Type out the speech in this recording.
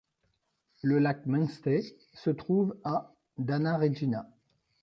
Le lac Mainstay se trouve à d’Anna Regina.